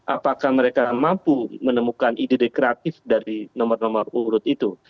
apakah mereka mampu menemukan ide dekreatif dari nomor nomor urut itu